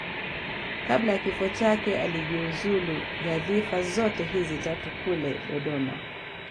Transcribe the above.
Kabla ya kifo chake alijiuzulu nyadhifa zote hizi tatu kule Dodoma